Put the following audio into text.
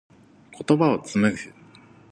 言葉を紡ぐ。